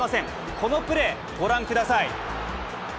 このプレー、ご覧ください。